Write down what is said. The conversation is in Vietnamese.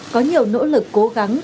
có nhiều nỗ lực cố gắng